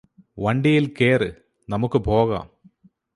വണ്ടിയിൽ കേറ് നമുക്ക് പോകാം